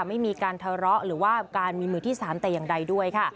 ไม่มีการทะเลาะหรือว่าการมีมือที่๓แต่อย่างใดด้วยค่ะ